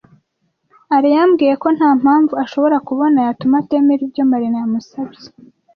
Alain yambwiye ko nta mpamvu ashobora kubona yatuma atemera ibyo Marina yamusabye.